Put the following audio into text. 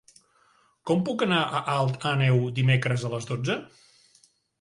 Com puc anar a Alt Àneu dimecres a les dotze?